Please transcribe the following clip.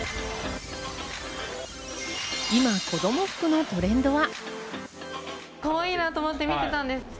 今、子供服のトレンドは？